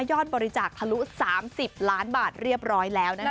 บริจาคทะลุ๓๐ล้านบาทเรียบร้อยแล้วนะคะ